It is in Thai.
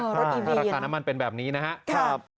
รถอีบีราคาน้ำมันเป็นแบบนี้นะฮะครับ